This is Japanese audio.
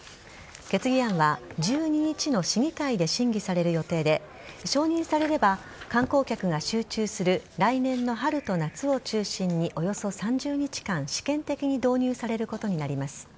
決議案は１２日の市議会で審議される予定で承認されれば観光客が集中する来年の春と夏を中心におよそ３０日間、試験的に導入されることになります。